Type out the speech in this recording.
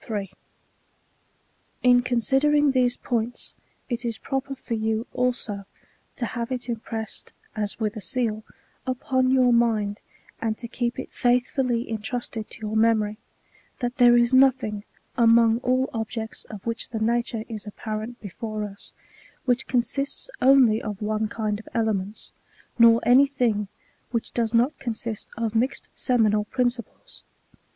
582—619. In considering these points, it is proper for jou, also, to have it inipressed, as with a seal, upon your mind, and to keep it faithftdly intrusted to your memory, that there is nothing, among all objects of which the nature is apparent before us, which consists only of one kind of elements ; nor any thing, which does not consist of mixed seminal principles.